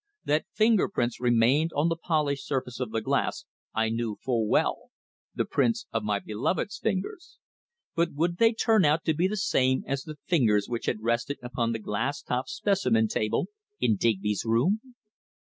That finger prints remained on the polished surface of the glass I knew full well the prints of my beloved's fingers. But would they turn out to be the same as the fingers which had rested upon the glass topped specimen table in Digby's room?